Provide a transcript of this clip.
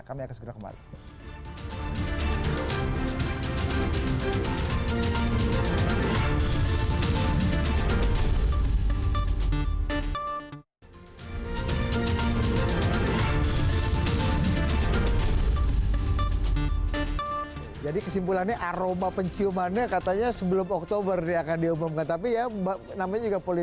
kami akan segera kembali